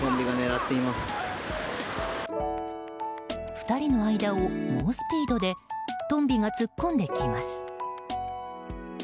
２人の間を猛スピードでトンビが突っ込んできます。